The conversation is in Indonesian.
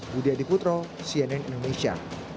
budi adiputro cnn indonesia